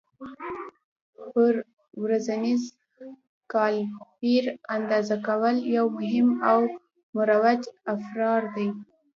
پر ورنیز کالیپر اندازه کول یو مهم او مروج افزار دی.